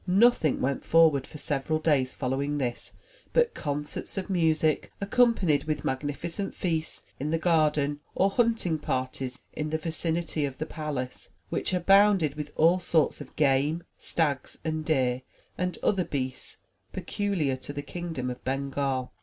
Nothing went forward for several days following this but concerts of music, accompanied with magnificent feasts in the garden, or hunting parties in the vicinity of the palace, which abounded with all sorts of game, stags and deer, and other beasts peculiar to the kingdom of Bengal.